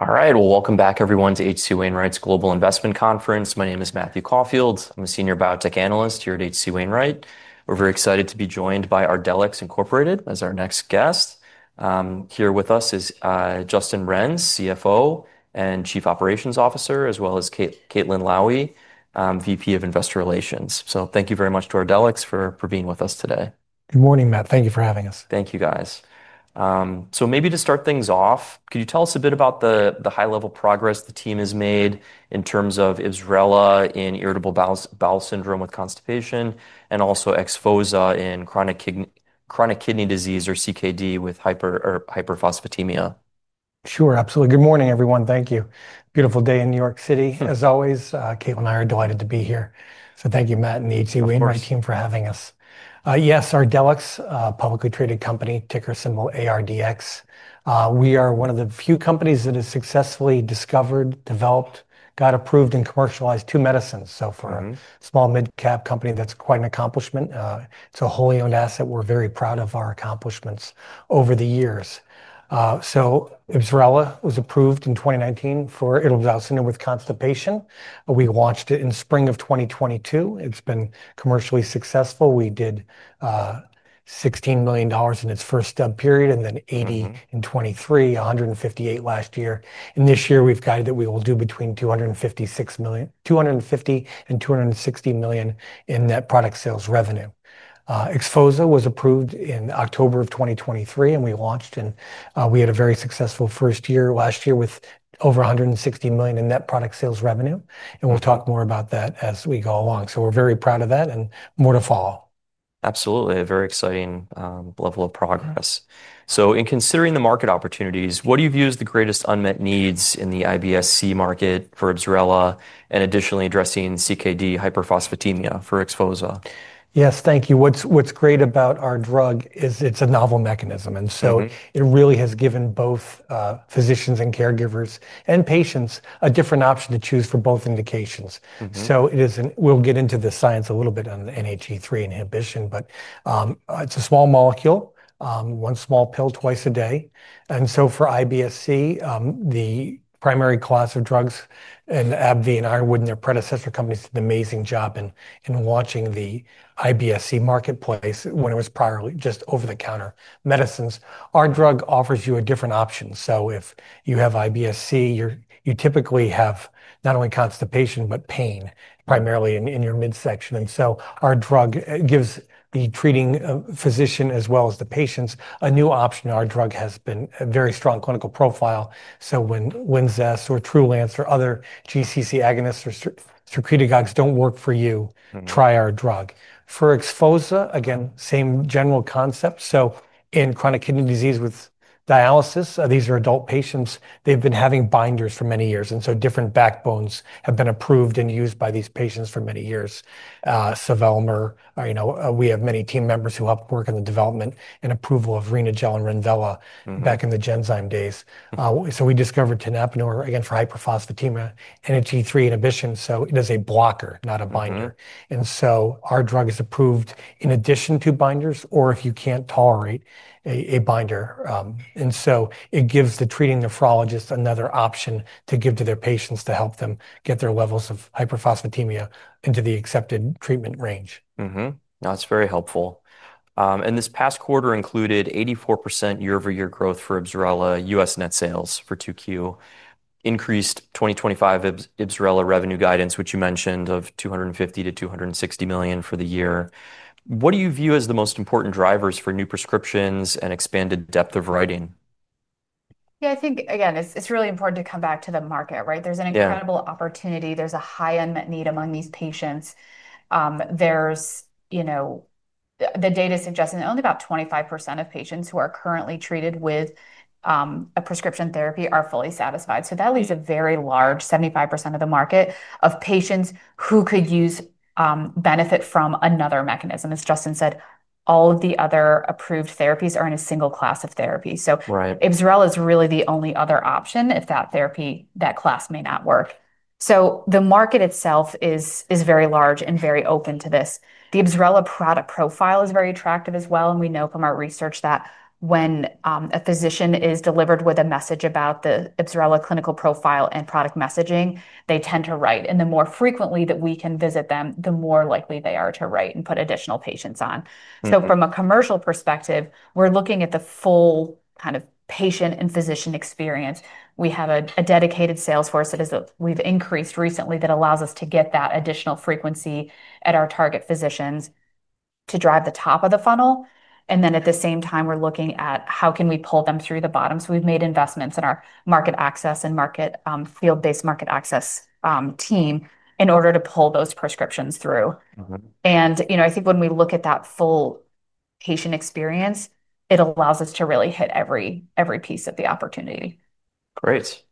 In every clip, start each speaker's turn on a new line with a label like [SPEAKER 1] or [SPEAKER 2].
[SPEAKER 1] All right, welcome back everyone to HC Wainwright's Global Investment Conference. My name is Matthew Caulfields. I'm a Senior Biotech Analyst here at HC Wainwright. We're very excited to be joined by Ardelyx, Inc. as our next guest. Here with us is Justin Renz, Chief Financial Officer and Chief Operations Officer, as well as Caitlin Lowie, Vice President of Investor Relations. Thank you very much to Ardelyx for being with us today.
[SPEAKER 2] Good morning, Matt. Thank you for having us.
[SPEAKER 1] Thank you, guys. Maybe to start things off, could you tell us a bit about the high-level progress the team has made in terms of IBSRELA in irritable bowel syndrome with constipation and also XPHOZAH in chronic kidney disease or CKD with hyperphosphatemia?
[SPEAKER 2] Sure, absolutely. Good morning, everyone. Thank you. Beautiful day in New York City, as always. Caitlin and I are delighted to be here. Thank you, Matt and the HC Wainwright team for having us. Yes, Ardelyx, publicly traded company, ticker symbol ARDX. We are one of the few companies that has successfully discovered, developed, got approved, and commercialized two medicines so far. Small mid-cap company, that's quite an accomplishment. It's a wholly owned asset. We're very proud of our accomplishments over the years. IBSRELA was approved in 2019 for irritable bowel syndrome with constipation. We launched it in spring of 2022. It's been commercially successful. We did $16 million in its first period and then $80 million in 2023, $158 million last year. This year we've got it that we will do between $250 million and $260 million in net product sales revenue. XPHOZAH was approved in October of 2023 and we launched and we had a very successful first year last year with over $160 million in net product sales revenue. We'll talk more about that as we go along. We're very proud of that and more to follow.
[SPEAKER 1] Absolutely, a very exciting level of progress. In considering the market opportunities, what do you view as the greatest unmet needs in the IBSRELA market for IBS-C and additionally addressing CKD hyperphosphatemia for XPHOZAH?
[SPEAKER 2] Yes, thank you. What's great about our drug is it's a novel mechanism, and so it really has given both physicians and caregivers and patients a different option to choose for both indications. It isn't, we'll get into the science a little bit on the NHE3 inhibition, but it's a small molecule, one small pill twice a day. For IBS-C, the primary class of drugs and AbbVie and Ironwood and their predecessor companies did an amazing job in launching the IBS-C marketplace when it was prior just over-the-counter medicines. Our drug offers you a different option. If you have IBS-C, you typically have not only constipation but pain primarily in your midsection, and so our drug gives the treating physician as well as the patients a new option. Our drug has been a very strong clinical profile. When Linzess or Trulance or other GCC agonists or secretagogues don't work for you, try our drug. For XPHOZAH, again, same general concept. In chronic kidney disease with dialysis, these are adult patients. They've been having binders for many years, and so different backbones have been approved and used by these patients for many years. Sevelamer, you know, we have many team members who helped work in the development and approval of Renagel and Renvela back in the Genzyme days. We discovered tenapanor, again, for hyperphosphatemia, NHE3 inhibition. It is a blocker, not a binder, and so our drug is approved in addition to binders or if you can't tolerate a binder. It gives the treating nephrologists another option to give to their patients to help them get their levels of hyperphosphatemia into the accepted treatment range.
[SPEAKER 1] No, that's very helpful. This past quarter included 84% year-over-year growth for IBSRELA U.S. net sales for 2Q, increased 2024 IBSRELA revenue guidance, which you mentioned of $250 million to $260 million for the year. What do you view as the most important drivers for new prescriptions and expanded depth of writing?
[SPEAKER 3] Yeah, I think, again, it's really important to come back to the market, right? There's an incredible opportunity. There's a high unmet need among these patients. The data suggests that only about 25% of patients who are currently treated with a prescription therapy are fully satisfied. That leaves a very large 75% of the market of patients who could use, benefit from another mechanism. As Justin said, all of the other approved therapies are in a single class of therapy. IBSRELA is really the only other option if that therapy, that class may not work. The market itself is very large and very open to this. The IBSRELA product profile is very attractive as well. We know from our research that when a physician is delivered with a message about the IBSRELA clinical profile and product messaging, they tend to write. The more frequently that we can visit them, the more likely they are to write and put additional patients on. From a commercial perspective, we're looking at the full kind of patient and physician experience. We have a dedicated sales force that we've increased recently that allows us to get that additional frequency at our target physicians to drive the top of the funnel. At the same time, we're looking at how can we pull them through the bottom. We've made investments in our market access and field-based market access team in order to pull those prescriptions through. I think when we look at that full patient experience, it allows us to really hit every, every piece of the opportunity.
[SPEAKER 1] Great.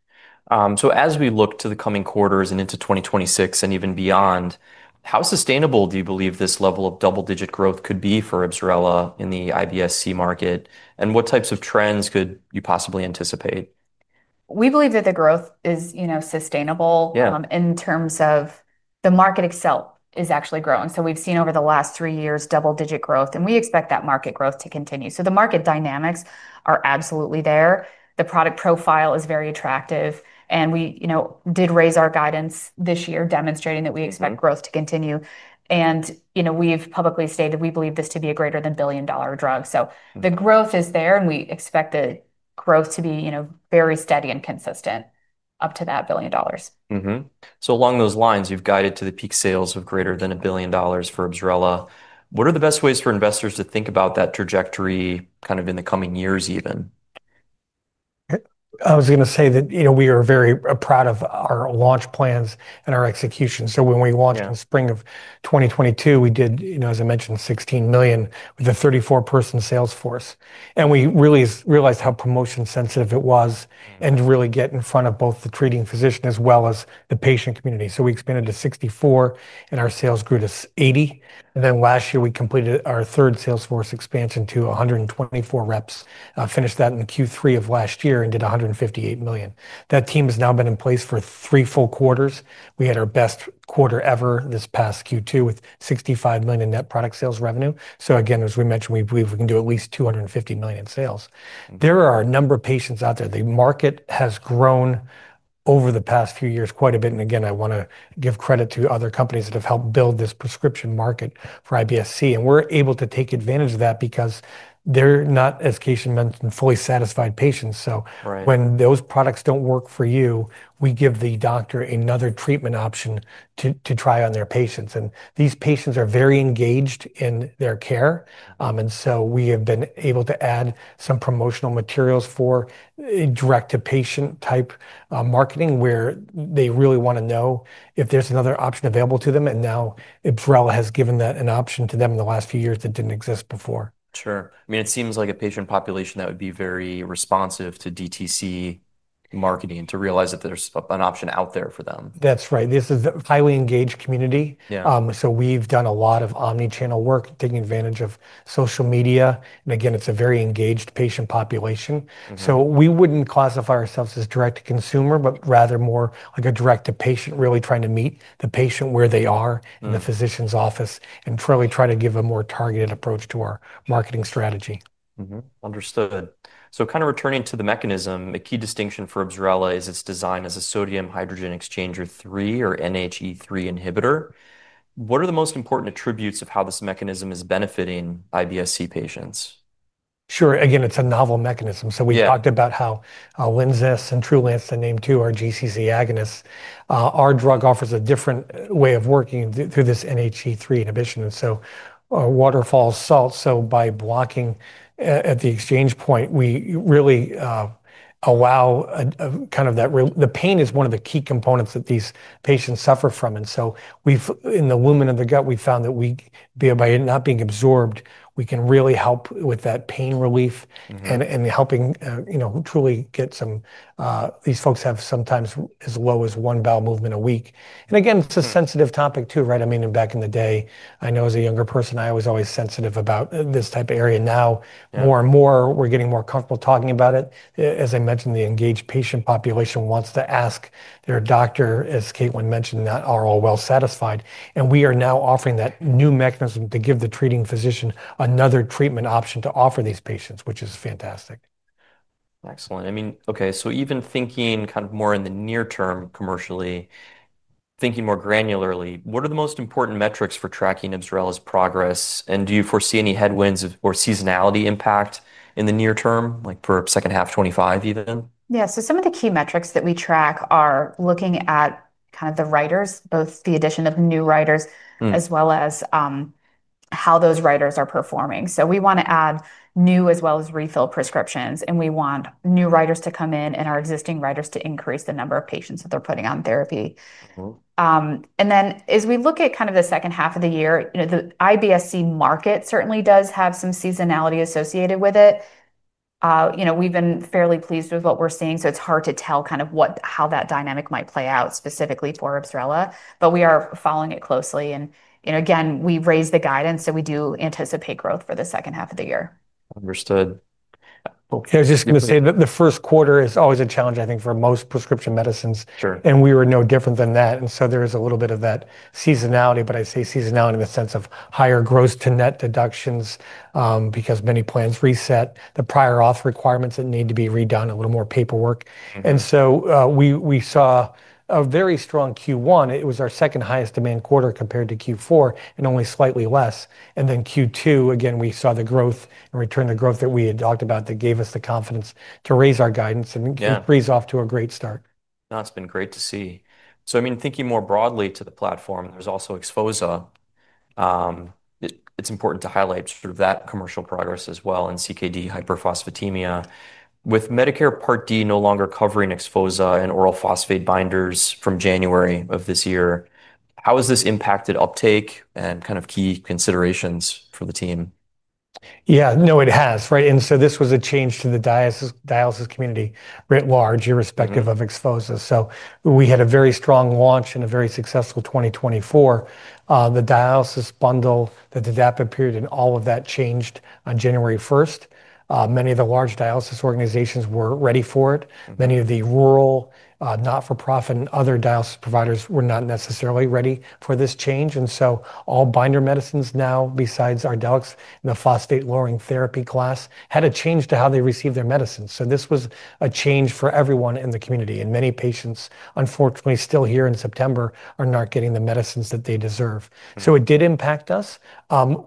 [SPEAKER 1] As we look to the coming quarters and into 2026 and even beyond, how sustainable do you believe this level of double-digit growth could be for IBSRELA in the IBS-C market? What types of trends could you possibly anticipate?
[SPEAKER 3] We believe that the growth is sustainable in terms of the market itself is actually growing. We've seen over the last three years double-digit growth, and we expect that market growth to continue. The market dynamics are absolutely there. The product profile is very attractive, and we did raise our guidance this year, demonstrating that we expect growth to continue. We've publicly stated we believe this to be a greater than $1 billion drug. The growth is there, and we expect the growth to be very steady and consistent up to that $1 billion.
[SPEAKER 1] So along those lines, you've guided to the peak sales of greater than $1 billion for IBSRELA. What are the best ways for investors to think about that trajectory kind of in the coming years even?
[SPEAKER 2] I was going to say that we are very proud of our launch plans and our execution. When we launched in spring of 2022, we did, as I mentioned, $16 million with a 34-person sales force. We really realized how promotion-sensitive it was and to really get in front of both the treating physician as well as the patient community. We expanded to 64 and our sales grew to $80 million. Last year we completed our third sales force expansion to 124 reps, finished that in Q3 of last year and did $158 million. That team has now been in place for three full quarters. We had our best quarter ever this past Q2 with $65 million net product sales revenue. As we mentioned, we believe we can do at least $250 million in sales. There are a number of patients out there. The market has grown over the past few years quite a bit. I want to give credit to other companies that have helped build this prescription market for IBSRELA. We're able to take advantage of that because they're not, as Casey mentioned, fully satisfied patients. When those products don't work for you, we give the doctor another treatment option to try on their patients. These patients are very engaged in their care. We have been able to add some promotional materials for direct-to-patient type marketing where they really want to know if there's another option available to them. Now IBSRELA has given that an option to them in the last few years that didn't exist before.
[SPEAKER 1] Sure. I mean, it seems like a patient population that would be very responsive to DTC marketing to realize that there's an option out there for them.
[SPEAKER 2] That's right. This is a highly engaged community. We've done a lot of omnichannel work, taking advantage of social media. It's a very engaged patient population. We wouldn't classify ourselves as direct to consumer, but rather more like a direct to patient, really trying to meet the patient where they are in the physician's office and probably try to give a more targeted approach to our marketing strategy.
[SPEAKER 1] Understood. Kind of returning to the mechanism, a key distinction for IBSRELA is its design as a sodium hydrogen exchanger 3 or NHE3 inhibitor. What are the most important attributes of how this mechanism is benefiting IBS-C patients?
[SPEAKER 2] Sure. Again, it's a novel mechanism. We talked about how Linzess and Trulance, the name to our GCC agonists, our drug offers a different way of working through this NHE3 inhibition. By blocking at the exchange point, we really allow kind of that the pain is one of the key components that these patients suffer from. In the lumen of the gut, we found that by not being absorbed, we can really help with that pain relief and helping, you know, truly get some, these folks have sometimes as low as one bowel movement a week. It's a sensitive topic too, right? I mean, back in the day, I know as a younger person, I was always sensitive about this type of area. Now, more and more, we're getting more comfortable talking about it. As I mentioned, the engaged patient population wants to ask their doctor, as Caitlin mentioned, not all are well satisfied. We are now offering that new mechanism to give the treating physician another treatment option to offer these patients, which is fantastic.
[SPEAKER 1] Excellent. I mean, okay, even thinking kind of more in the near term, commercially, thinking more granularly, what are the most important metrics for tracking IBSRELA's progress? Do you foresee any headwinds or seasonality impact in the near term, like per second half, 2025 even?
[SPEAKER 3] Yeah, some of the key metrics that we track are looking at the writers, both the addition of new writers as well as how those writers are performing. We want to add new as well as refill prescriptions, and we want new writers to come in and our existing writers to increase the number of patients that they're putting on therapy. As we look at the second half of the year, the IBS-C market certainly does have some seasonality associated with it. We've been fairly pleased with what we're seeing, so it's hard to tell how that dynamic might play out specifically for IBSRELA, but we are following it closely. Again, we raised the guidance, so we do anticipate growth for the second half of the year.
[SPEAKER 1] Understood.
[SPEAKER 2] I was just going to say that the first quarter is always a challenge, I think, for most prescription medicines. We were no different than that. There is a little bit of that seasonality, but I say seasonality in the sense of higher gross to net deductions because many plans reset, the prior auth requirements that need to be redone, a little more paperwork. We saw a very strong Q1. It was our second highest demand quarter compared to Q4 and only slightly less. In Q2, again, we saw the growth and return to growth that we had talked about that gave us the confidence to raise our guidance and raise off to a great start.
[SPEAKER 1] That's been great to see. I mean, thinking more broadly to the platform, there's also XPHOZAH. It's important to highlight sort of that commercial progress as well in CKD hyperphosphatemia. With Medicare Part D no longer covering XPHOZAH and oral phosphate binders from January of this year, how has this impacted uptake and kind of key considerations for the team?
[SPEAKER 2] Yeah, no, it has, right? This was a change to the dialysis community writ large, irrespective of XPHOZAH. We had a very strong launch and a very successful 2024. The dialysis bundle, the DDAPP period, and all of that changed on January 1. Many of the large dialysis organizations were ready for it. Many of the rural, not-for-profit, and other dialysis providers were not necessarily ready for this change. All binder medicines now, besides Ardelyx, the phosphate lowering therapy class, had a change to how they received their medicines. This was a change for everyone in the community. Many patients, unfortunately, still here in September are not getting the medicines that they deserve. It did impact us.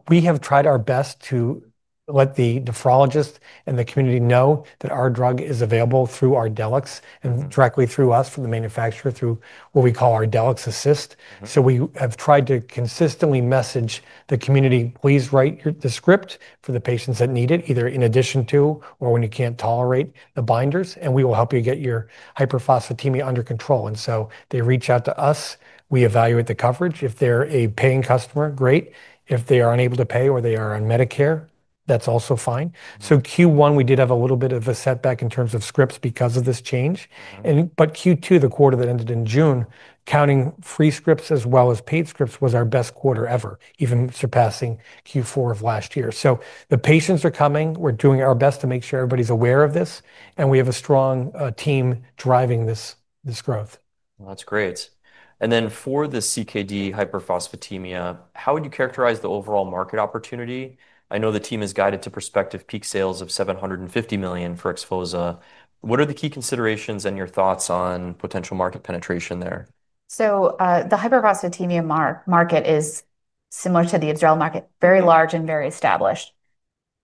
[SPEAKER 2] We have tried our best to let the nephrologist and the community know that our drug is available through Ardelyx and directly through us, from the manufacturer, through what we call Ardelyx Assist. We have tried to consistently message the community, please write the script for the patients that need it, either in addition to or when you can't tolerate the binders, and we will help you get your hyperphosphatemia under control. They reach out to us. We evaluate the coverage. If they're a paying customer, great. If they are unable to pay or they are on Medicare, that's also fine. Q1, we did have a little bit of a setback in terms of scripts because of this change. Q2, the quarter that ended in June, counting free scripts as well as paid scripts, was our best quarter ever, even surpassing Q4 of last year. The patients are coming. We're doing our best to make sure everybody's aware of this. We have a strong team driving this growth.
[SPEAKER 1] That's great. For the CKD hyperphosphatemia, how would you characterize the overall market opportunity? I know the team has guided to prospective peak sales of $750 million for XPHOZAH. What are the key considerations and your thoughts on potential market penetration there?
[SPEAKER 3] The hyperphosphatemia market is similar to the IBSRELA market, very large and very established.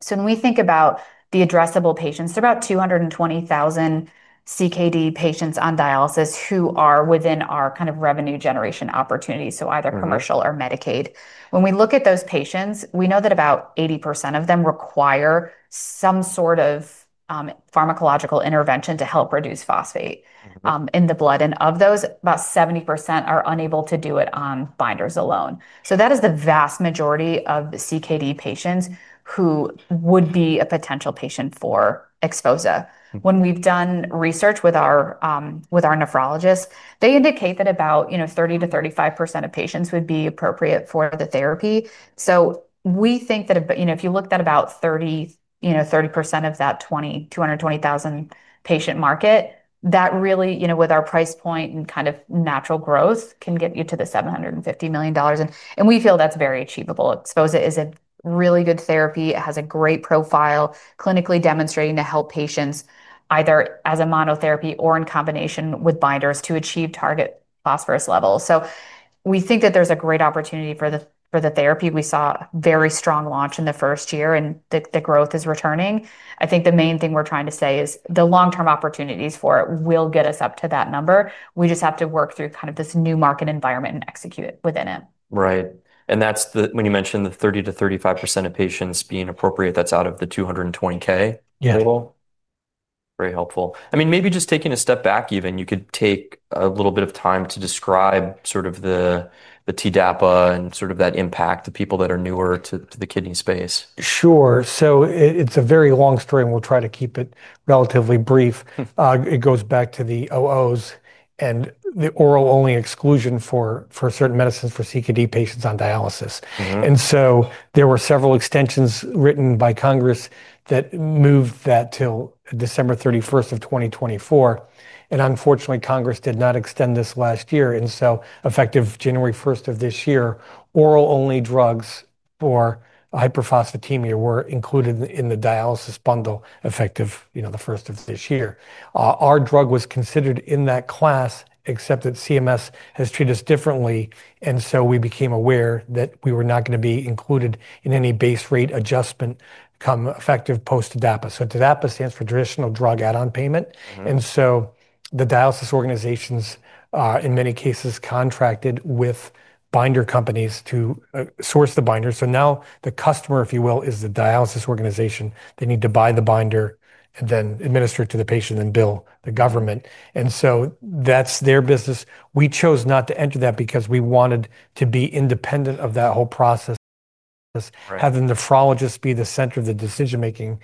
[SPEAKER 3] When we think about the addressable patients, there are about 220,000 CKD patients on dialysis who are within our kind of revenue generation opportunities, so either commercial or Medicaid. When we look at those patients, we know that about 80% of them require some sort of pharmacological intervention to help reduce phosphate in the blood. Of those, about 70% are unable to do it on binders alone. That is the vast majority of CKD patients who would be a potential patient for XPHOZAH. When we've done research with our nephrologists, they indicate that about 30% to 35% of patients would be appropriate for the therapy. We think that if you looked at about 30% of that 220,000 patient market, that really, you know, with our price point and kind of natural growth, can get you to the $750 million. We feel that's very achievable. XPHOZAH is a really good therapy. It has a great profile, clinically demonstrating to help patients either as a monotherapy or in combination with binders to achieve target phosphorus levels. We think that there's a great opportunity for the therapy. We saw a very strong launch in the first year, and the growth is returning. I think the main thing we're trying to say is the long-term opportunities for it will get us up to that number. We just have to work through kind of this new market environment and execute within it.
[SPEAKER 1] Right. That's the, when you mentioned the 30% to 35% of patients being appropriate, that's out of the 220,000 total.
[SPEAKER 3] Yeah.
[SPEAKER 1] Very helpful. Maybe just taking a step back even, you could take a little bit of time to describe sort of the ESRD payment bundle and sort of that impact to people that are newer to the kidney space.
[SPEAKER 2] Sure. It's a very long story, and we'll try to keep it relatively brief. It goes back to the 2000s and the oral-only exclusion for certain medicines for chronic kidney disease patients on dialysis. There were several extensions written by Congress that moved that till December 31, 2024. Unfortunately, Congress did not extend this last year. Effective January 1 of this year, oral-only drugs for hyperphosphatemia were included in the dialysis bundle effective the 1st of this year. Our drug was considered in that class, except that the Centers for Medicare & Medicaid Services has treated us differently. We became aware that we were not going to be included in any base rate adjustment come effective post-DAPA. DAPA stands for traditional drug add-on payment. The dialysis organizations in many cases contracted with binder companies to source the binder. Now the customer, if you will, is the dialysis organization. They need to buy the binder and then administer it to the patient and then bill the government. That's their business. We chose not to enter that because we wanted to be independent of that whole process, having the nephrologists be the center of the decision-making.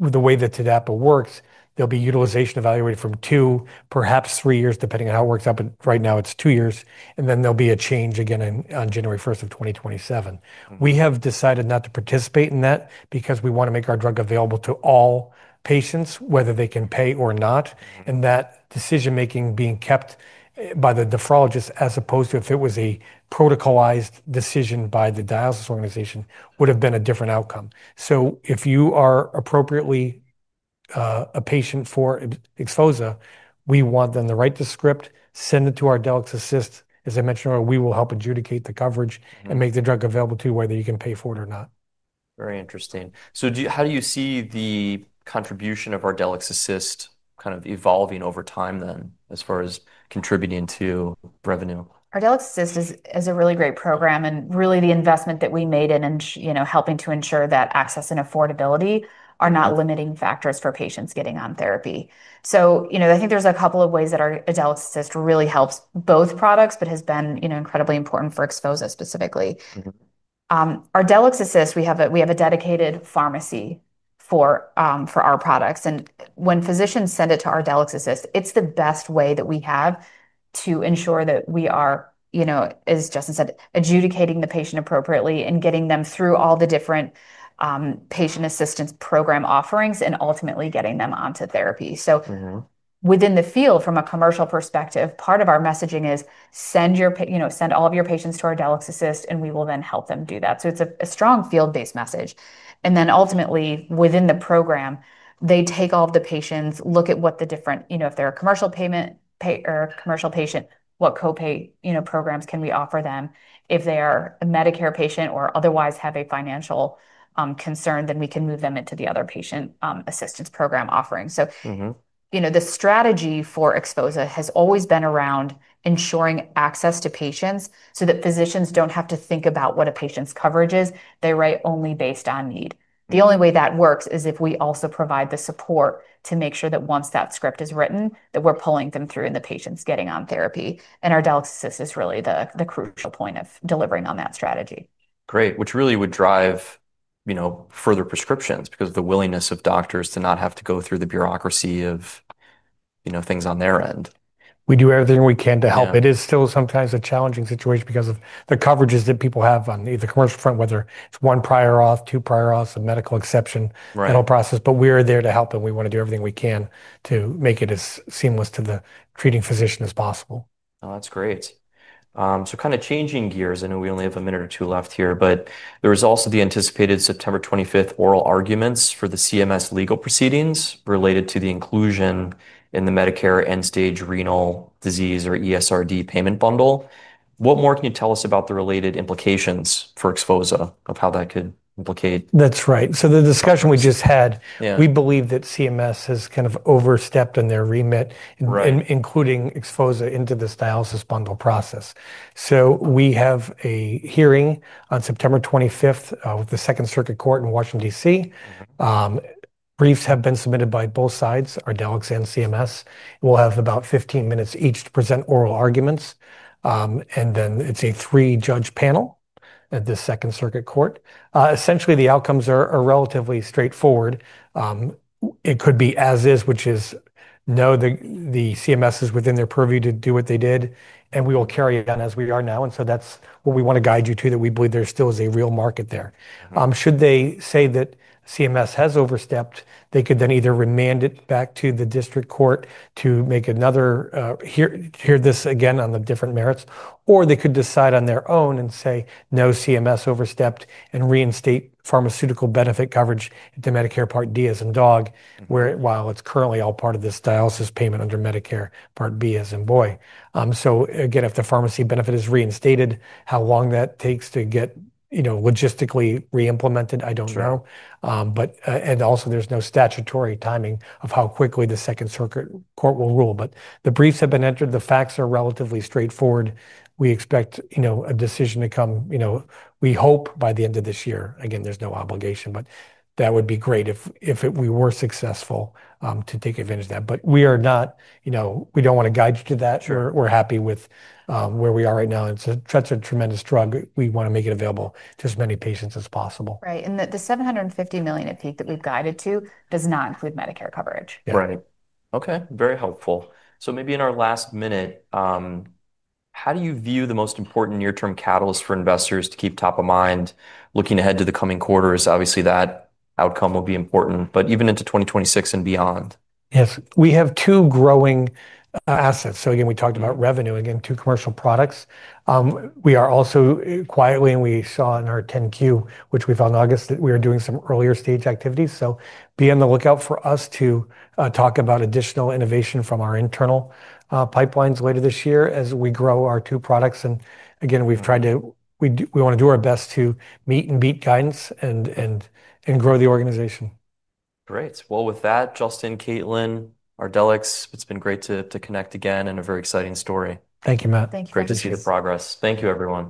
[SPEAKER 2] The way the DAPA works, there will be utilization evaluated from two, perhaps three years, depending on how it works out. Right now it's two years. There will be a change again on January 1, 2027. We have decided not to participate in that because we want to make our drug available to all patients, whether they can pay or not. That decision-making being kept by the nephrologists, as opposed to if it was a protocolized decision by the dialysis organization, would have been a different outcome. If you are appropriately a patient for XPHOZAH, we want them to write the script, send it to Ardelyx Assist. As I mentioned earlier, we will help adjudicate the coverage and make the drug available to you, whether you can pay for it or not.
[SPEAKER 1] Very interesting. How do you see the contribution of Ardelyx Assist kind of evolving over time then as far as contributing to revenue?
[SPEAKER 3] Ardelyx Assist is a really great program and really the investment that we made in helping to ensure that access and affordability are not limiting factors for patients getting on therapy. I think there's a couple of ways that Ardelyx Assist really helps both products, but has been incredibly important for XPHOZAH specifically. Ardelyx Assist, we have a dedicated pharmacy for our products. When physicians send it to Ardelyx Assist, it's the best way that we have to ensure that we are, as Justin said, adjudicating the patient appropriately and getting them through all the different patient assistance program offerings and ultimately getting them onto therapy. Within the field, from a commercial perspective, part of our messaging is send all of your patients to Ardelyx Assist and we will then help them do that. It's a strong field-based message. Ultimately, within the program, they take all of the patients, look at what the different, if they're a commercial payment or a commercial patient, what co-pay programs can we offer them? If they are a Medicare patient or otherwise have a financial concern, then we can move them into the other patient assistance program offerings. The strategy for XPHOZAH has always been around ensuring access to patients so that physicians don't have to think about what a patient's coverage is. They write only based on need. The only way that works is if we also provide the support to make sure that once that script is written, that we're pulling them through and the patient's getting on therapy. Ardelyx Assist is really the crucial point of delivering on that strategy.
[SPEAKER 1] Great, which really would drive, you know, further prescriptions because of the willingness of doctors to not have to go through the bureaucracy of, you know, things on their end.
[SPEAKER 2] We do everything we can to help. It is still sometimes a challenging situation because of the coverages that people have on either commercial front, whether it's one prior auth, two prior auths, a medical exception, that whole process. We are there to help and we want to do everything we can to make it as seamless to the treating physician as possible.
[SPEAKER 1] Oh, that's great. Kind of changing gears, I know we only have a minute or two left here, but there was also the anticipated September 25th oral arguments for the CMS legal proceedings related to the inclusion in the Medicare end-stage renal disease or ESRD payment bundle. What more can you tell us about the related implications for XPHOZAH of how that could implicate?
[SPEAKER 2] That's right. The discussion we just had, we believe that CMS has kind of overstepped in their remit in including XPHOZAH into this dialysis bundle process. We have a hearing on September 25 with the Second Circuit Court in Washington, D.C. Briefs have been submitted by both sides, Ardelyx and CMS. We'll have about 15 minutes each to present oral arguments. It's a three-judge panel at the Second Circuit Court. Essentially, the outcomes are relatively straightforward. It could be as is, which is no, the CMS is within their purview to do what they did, and we will carry on as we are now. We want to guide you to that we believe there still is a real market there. Should they say that CMS has overstepped, they could then either remand it back to the district court to hear this again on the different merits, or they could decide on their own and say, no, CMS overstepped and reinstate pharmaceutical benefit coverage to Medicare Part D, where while it's currently all part of this dialysis payment under Medicare Part B. If the pharmacy benefit is reinstated, how long that takes to get logistically reimplemented, I don't know. Also, there's no statutory timing of how quickly the Second Circuit Court will rule. The briefs have been entered. The facts are relatively straightforward. We expect a decision to come, we hope by the end of this year. There's no obligation, but that would be great if we were successful to take advantage of that. We don't want to guide you to that. We're happy with where we are right now. It's such a tremendous drug. We want to make it available to as many patients as possible.
[SPEAKER 3] Right. The $750 million at peak that we've guided to does not include Medicare coverage.
[SPEAKER 1] Right. Okay. Very helpful. Maybe in our last minute, how do you view the most important near-term catalyst for investors to keep top of mind looking ahead to the coming quarters? Obviously, that outcome will be important, but even into 2026 and beyond.
[SPEAKER 2] Yes, we have two growing assets. We talked about revenue, again, two commercial products. We are also quietly, and we saw in our 10Q, which we filed in August, that we are doing some earlier stage activities. Be on the lookout for us to talk about additional innovation from our internal pipelines later this year as we grow our two products. We want to do our best to meet and beat guidance and grow the organization.
[SPEAKER 1] Great. With that, Justin, Caitlin, Ardelyx, it's been great to connect again and a very exciting story.
[SPEAKER 2] Thank you, Matt.
[SPEAKER 3] Thank you, Caitlin.
[SPEAKER 1] Great to see the progress. Thank you, everyone.